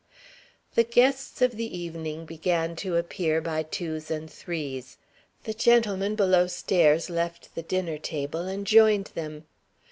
The guests of the evening began to appear by twos and threes. The gentlemen below stairs left the dinner table, and joined them.